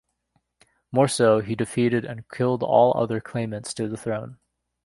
More so, he defeated and killed all other claimants to the throne.